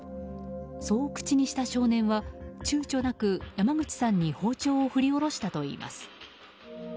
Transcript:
そう口にした少年はちゅうちょなく山口さんに包丁を振り下ろしたといいます。